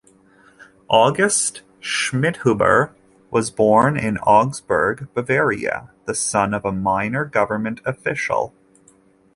August Schmidhuber was born in Augsburg, Bavaria, the son of a minor government official.